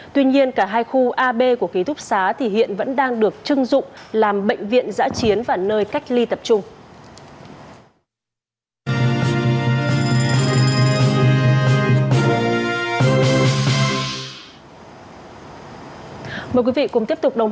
tuy nhiên cả hai khu ab của ký thúc xá thì hiện vẫn đang được chưng dụng làm bệnh viện giã chiến và nơi cách ly tập trung